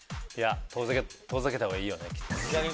遠ざけた方がいいよね。